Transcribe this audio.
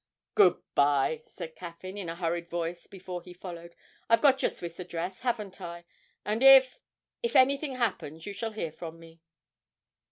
'Good bye,' said Caffyn, in a hurried voice before he followed. 'I've got your Swiss address, haven't I? and if if anything happens, you shall hear from me.'